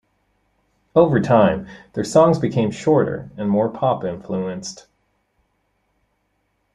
Over time, their songs became shorter and more pop-influenced.